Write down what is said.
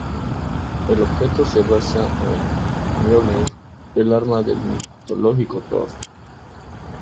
El objeto se basa en Mjolnir, el arma del mitológico Thor.